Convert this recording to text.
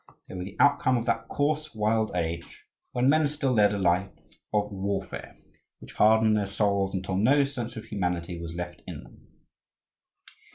They were the outcome of that coarse, wild age, when men still led a life of warfare which hardened their souls until no sense of humanity was left in them.